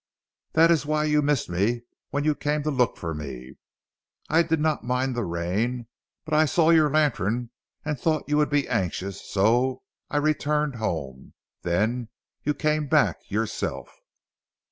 That is why you missed me, when you came to look for me. I did not mind the rain. But I saw your lantern, and thought you would be anxious, so I returned home. Then you came back yourself."